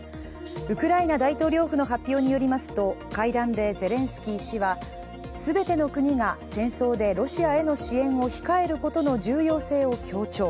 ウクライナ大統領府の発表によりますと、会談でゼレンスキー氏は、全ての国が戦争でロシアへの支援を控えることの重要性を強調。